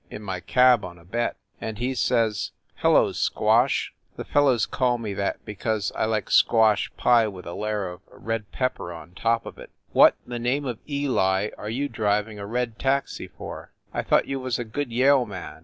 in my cab on a bet), and he says "Hello, Squash" (the fellows call me that be cause I like squash pie with a layer of red pepper on top of it) "What the name of Eli are you driv ing a red taxi for? I thought you was a good Yale man."